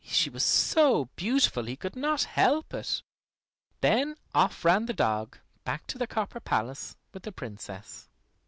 She was so beautiful he could not help it. Then off ran the dog, back to the copper palace with the Princess.